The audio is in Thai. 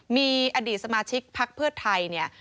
มีอดีตสมาชิกพักเพื่อไทยเนี่ย